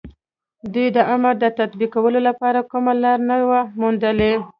دوی د امر د تطبيقولو لپاره کومه لاره نه وه موندلې.